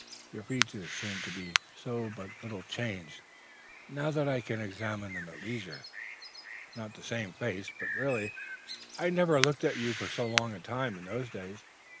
Your features seem to be but little changed, now that I can examine them at leisure; yet it is not the same face. But really, I never looked at you for so long a time, in those days.